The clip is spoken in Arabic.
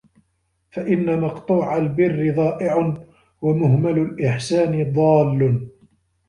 فَإِنَّ مَقْطُوعَ الْبِرِّ ضَائِعٌ وَمُهْمَلُ الْإِحْسَانِ ضَالٌّ